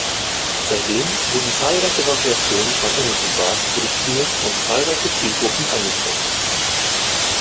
Seitdem wurden zahlreiche Variationen von Energy Bars produziert und zahlreiche Zielgruppen angesprochen.